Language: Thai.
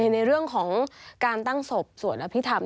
ในเรื่องของการตั้งศพสวรรพิธำ